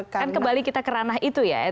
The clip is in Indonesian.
kan kembali kita keranah itu ya